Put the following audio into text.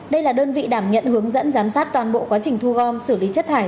đây là đơn vị đảm nhận hướng dẫn giám sát toàn bộ quá trình thu gom xử lý chất thải